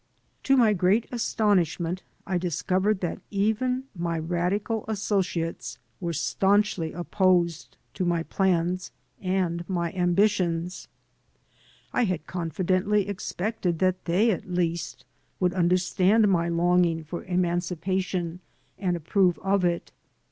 To my great astonishment, I discovered that even my radical assodates were stanchly opposed to my plans and my ambitions. I had confidently expected that they, at least, would understand my longing for 191 AN AMERICAN IN THE MAKING emancipation and approve of it.